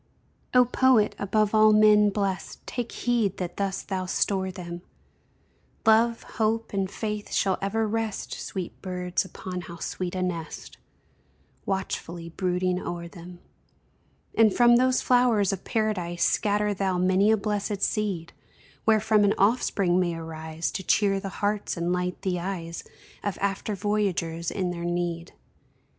O Poet! above all men blest, Take heed that thus thou store them; Love, Hope, and Faith shall ever rest, Sweet birds (upon how sweet a nest!) Watchfully brooding o'er them. And from those flowers of Paradise Scatter thou many a blessèd seed, Wherefrom an offspring may arise To cheer the hearts and light the eyes Of after voyagers in their need.